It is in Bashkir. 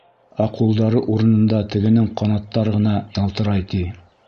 Ә ҡулдары урынында тегенең ҡанаттар ғына ялтырай, ти.